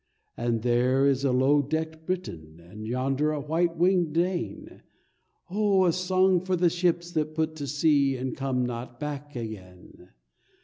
And there is a low decked Briton, And yonder a white winged Dane— Oh, a song for the ships that put to sea And come not back again!